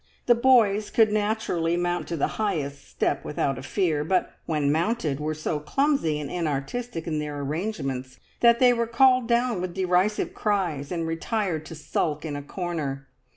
The boys could naturally mount to the highest step without a fear, but, when mounted, were so clumsy and inartistic in their arrangements that they were called down with derisive cries, and retired to sulk in a corner.